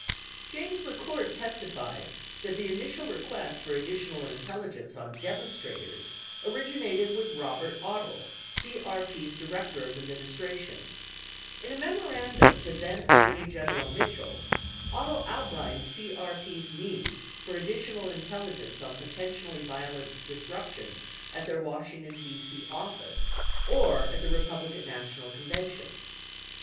7 James McCord testified that the initial request for additional intelli gence on demonstrators originated with Robert Odle, CRP's direc tor of administration 8 In a memorandum to then Attorney General Mitchell, Odle outlined CRP's need for additional intelligence on potentially violent disruptions at their Washington, D.C., office or at the Republican National Convention.